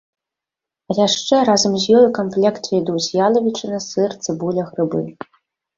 А яшчэ разам з ёй у камплекце ідуць ялавічына, сыр, цыбуля, грыбы.